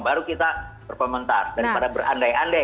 baru kita perform mentah daripada berandai andai